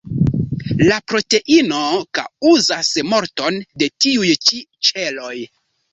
La proteino kaŭzas morton de tiuj ĉi ĉeloj.